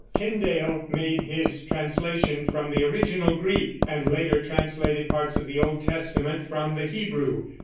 Tyndale made his translation from the original Greek, and later translated parts of the Old Testament from the Hebrew.